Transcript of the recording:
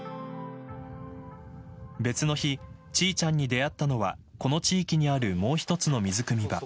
別の日チーチャンに出会ったのはこの地域にあるもう一つの水くみ場。